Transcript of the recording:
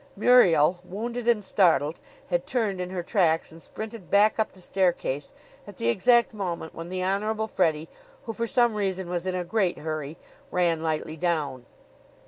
Muriel, wounded and startled, had turned in her tracks and sprinted back up the staircase at the exact moment when the Honorable Freddie, who for some reason was in a great hurry, ran lightly down.